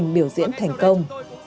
diễn thành công